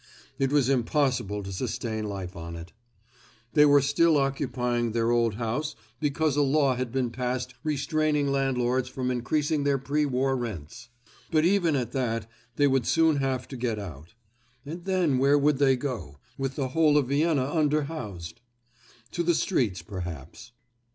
It was impossible to sustain life on it. They were still occupying their old house because a law had been passed restraining landlords from increasing their pre war rents. But even at that they would soon have to get out. And then where could they go, with the whole of Vienna under housed? To the streets, perhaps.